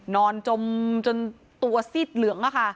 จมจนตัวซีดเหลือง